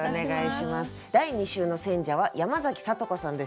第２週の選者は山崎聡子さんです。